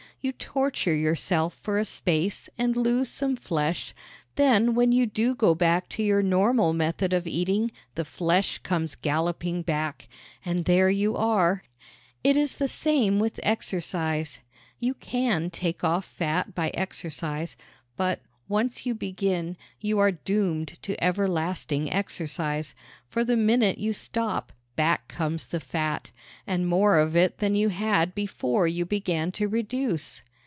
You torture yourself for a space and lose some flesh; then when you do go back to your normal method of eating the flesh comes galloping back and there you are! It is the same with exercise. You can take off fat by exercise; but, once you begin, you are doomed to everlasting exercise, for the minute you stop back comes the fat and more of it than you had before you began to reduce.